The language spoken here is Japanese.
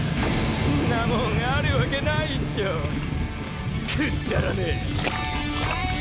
んなもんあるわけないっショ。くっだらねえ！